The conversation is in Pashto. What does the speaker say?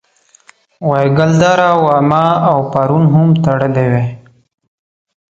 وایګل دره واما او پارون هم تړلې وې.